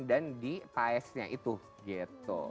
dan di paesnya itu gitu